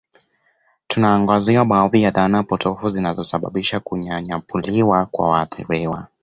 Tunaangazia baadhi ya dhana potofu zinazosababisha kunyanyapaliwa kwa waathiriwa